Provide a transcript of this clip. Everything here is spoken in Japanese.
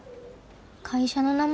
会社の名前？